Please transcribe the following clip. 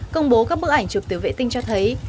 công bố các bức ảnh chụp từ vệ tinh cho thấy